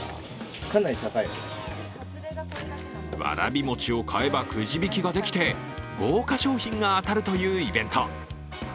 わらび餅を買えばくじ引きができて、豪華賞品が当たるというイベント。